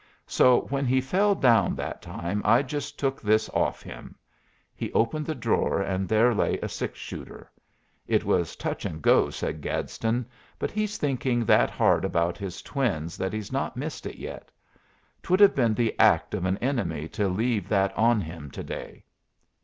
So when he fell down that time I just took this off him." He opened the drawer, and there lay a six shooter. "It was touch and go," said Gadsden; "but he's thinking that hard about his twins that he's not missed it yet. 'Twould have been the act of an enemy to leave that on him to day.